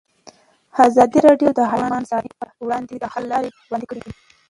ازادي راډیو د حیوان ساتنه پر وړاندې د حل لارې وړاندې کړي.